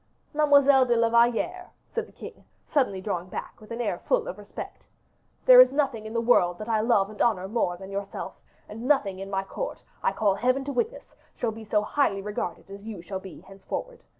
"Mademoiselle de la Valliere," said the king, suddenly, drawing back with an air full of respect, "there is nothing in the world that I love and honor more than yourself, and nothing in my court, I call Heaven to witness, shall be so highly regarded as you shall be henceforward.